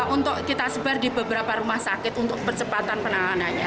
untuk kita sebar di beberapa rumah sakit untuk percepatan penanganannya